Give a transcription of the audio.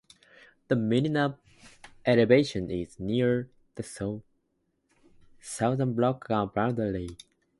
The minimum elevation is near the southern block boundary.